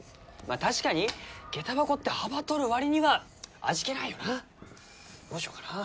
確かに下駄箱って幅取る割には味気ないよなどうしようかな？